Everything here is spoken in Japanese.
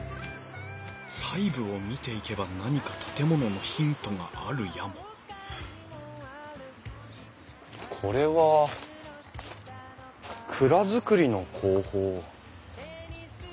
細部を見ていけば何か建物のヒントがあるやもこれは蔵造りの工法。